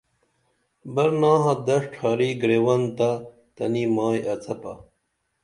برناحہ دش ڇھاری گریون تہ تنی مائی اڅپہ